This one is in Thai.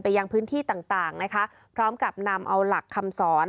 ยังพื้นที่ต่างนะคะพร้อมกับนำเอาหลักคำสอน